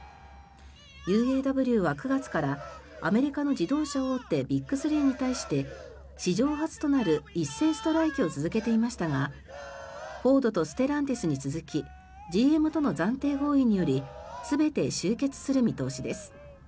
ＵＡＷは９月からアメリカの自動車大手ビッグスリーに対して史上初となる一斉ストライキを続けていましたがフォードとステランティスに続きＧＭとの暫定合意により全て終結する見通しです。